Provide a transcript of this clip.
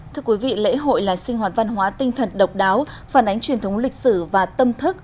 thưa quý vị lễ hội là sinh hoạt văn hóa tinh thần độc đáo phản ánh truyền thống lịch sử và tâm thức